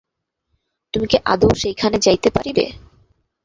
তুমি কি আদৌ সেইখানে যাইতে পারিবে?